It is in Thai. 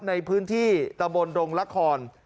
ในพื้นที่ตะบนดงละคร